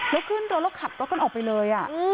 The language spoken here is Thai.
แล้วขึ้นรถแล้วขับรถกันออกไปเลย